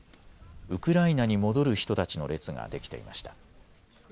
ウクライナに戻る人たちの列ができていました。